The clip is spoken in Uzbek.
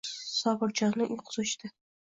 Sobirjonning uyqusi oʻchdi.